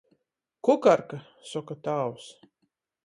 "Kukarka," soka tāvs.